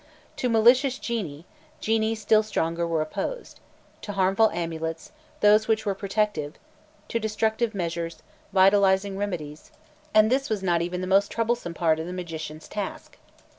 To malicious genii, genii still stronger were opposed; to harmful amulets, those which were protective; to destructive measures, vitalizing remedies; and this was not even the most troublesome part of the magicians' task.